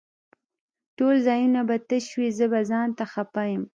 ټول ځايونه به تش وي زه به ځانته خپه يم